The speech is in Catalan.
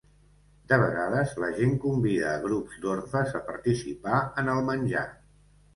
De vegades la gent convida a grups d'orfes a participar en el menjar.